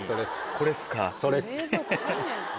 これっすか。